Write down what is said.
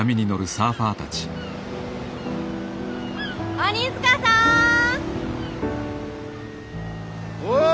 ・鬼塚さん！おう！